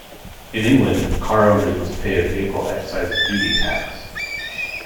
In England, car owners must pay a vehicle excise duty tax.